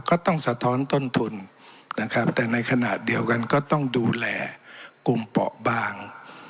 ก็ต้องสะท้อนต้นทุนนะครับแต่ในขณะเดียวกันก็ต้องดูแลกลุ่มเปาะบาง